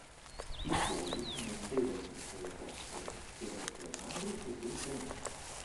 I suoli non devono contenere fosforo, devono essere magri e ben drenati.